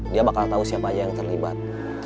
dia bakal tahu siapa aja yang terlibat